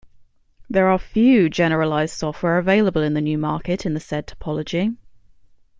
There are few generalized software available in the new market in the said topology.